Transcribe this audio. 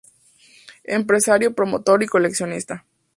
Empresario, promotor y coleccionista.